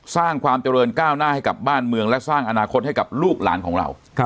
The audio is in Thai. สร้างความเจริญก้าวหน้าให้กับบ้านเมืองและสร้างอนาคตให้กับลูกหลานของเรา